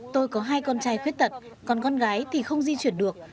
tôi có hai con trai khuyết tật còn con gái thì không di chuyển được